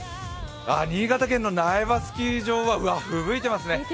新潟県の苗場スキー場はふぶいてますね。